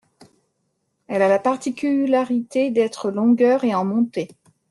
Elle a la particularité d'être longueur et en monté.